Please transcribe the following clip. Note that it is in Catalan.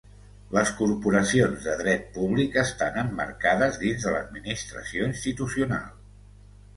Les corporacions de dret públic estan emmarcades dins l'administració institucional.